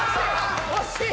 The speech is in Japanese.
惜しい！